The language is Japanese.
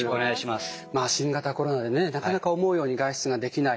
まあ新型コロナでねなかなか思うように外出ができない。